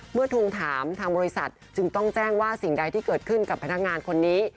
ทวงถามทางบริษัทจึงต้องแจ้งว่าสิ่งใดที่เกิดขึ้นกับพนักงานคนนี้